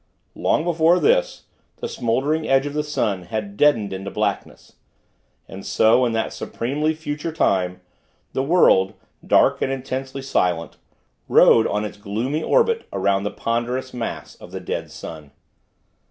Long before this, the smoldering edge of the sun had deadened into blackness. And so, in that supremely future time, the world, dark and intensely silent, rode on its gloomy orbit around the ponderous mass of the dead sun.